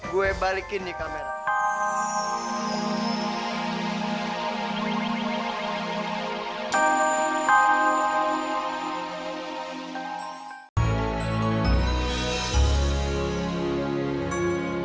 gue balikin nih kamera